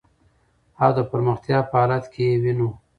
او د پرمختیا په حالت کی یې وېنو .